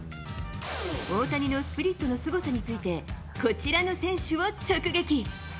大谷のスプリットのすごさについて、こちらの選手を直撃。